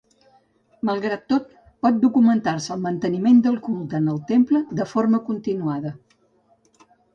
Malgrat tot, pot documentar-se el manteniment del culte en el temple de forma continuada.